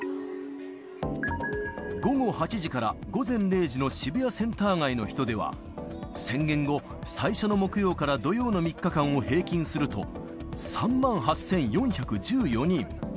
午後８時から午前０時の渋谷センター街の人出は、宣言後、最初の木曜から土曜の３日間を平均すると、３万８４１４人。